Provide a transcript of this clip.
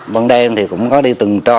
vâng đêm thì cũng có đi từng trò